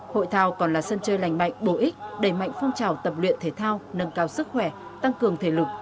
hội thao còn là sân chơi lành mạnh bổ ích đẩy mạnh phong trào tập luyện thể thao nâng cao sức khỏe tăng cường thể lực